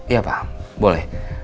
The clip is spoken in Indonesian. iya pa boleh